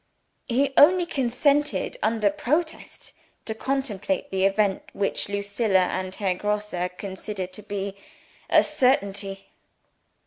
He only consented under protest to contemplate the event which Lucilla and Herr Grosse consider to be a certainty.